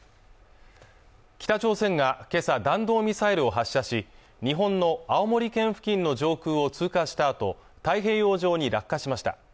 北朝鮮が今朝弾道ミサイルを発射し日本の青森県付近の上空を通過したあと太平洋上に落下しました